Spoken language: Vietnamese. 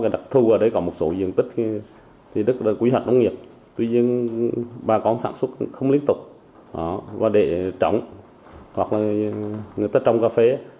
đặc thư ở đây có một số diện tích đất quý hạt lâm nghiệp tuy nhiên bà con sản xuất không liên tục và để trống hoặc là người ta trống cà phê